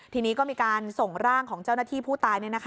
ทีนี้ก็มีการส่งร่างของเจ้าหน้าที่ผู้ตาย